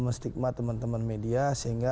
menstigma teman teman media sehingga